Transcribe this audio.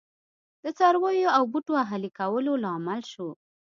د څارویو او بوټو اهلي کولو لامل شو